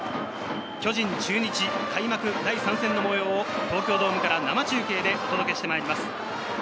巨人・中日開幕第３戦の模様を東京ドームから生中継でお届けしてまいります。